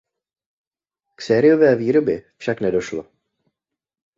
K sériové výrobě však nedošlo.